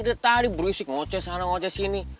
udah tadi berisik ngoceh sana ngoceh sini